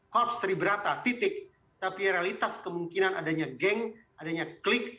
korps triberata titik tapi realitas kemungkinan adanya geng adanya klik